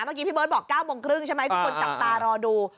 เมื่อกี้พี่เบิร์ตบอก๙โมงครึ่งใช่ไหมทุกคนจับตารอดู